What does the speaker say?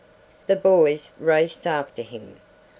The boys raced after him.